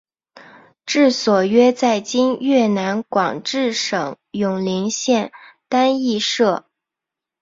治所约在今越南广治省永灵县丹裔社。